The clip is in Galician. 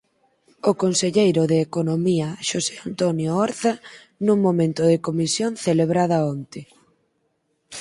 O conselleiro de Economía, Xosé Antonio Orza, nun momento da comisión celebrada onte